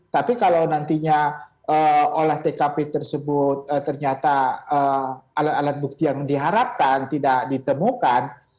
tapi kalau nantinya olah tkp tersebut ternyata alat alat bukti yang diharapkan tidak ditemukan